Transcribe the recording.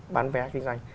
bán vé kinh doanh